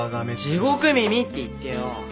地獄耳って言ってよ。